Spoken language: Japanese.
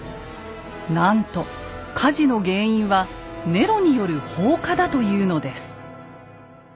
なんと火事の原因はネロによる放火だというのです。